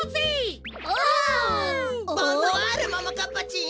ボンソワールももかっぱちん。